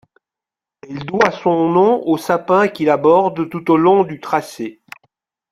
Elle doit son nom aux sapins qui la bordent tout au long du tracé.